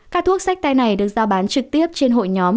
các thuốc sách tay này được giao bán trực tiếp trên hội nhóm